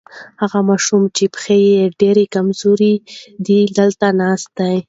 هغه ماشوم چې پښې یې ډېرې کمزورې دي دلته ناست دی.